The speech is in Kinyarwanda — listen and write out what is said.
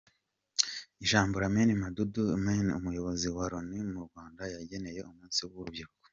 Ijambo Lamin Momodou Manneh, Umuyobozi wa Loni mu Rwanda yageneye umunsi w’urubyiruko.